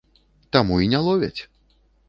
Таму і не ловяць!